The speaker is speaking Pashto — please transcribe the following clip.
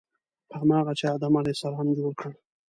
هماغه چې آدم علیه السلام جوړ کړ.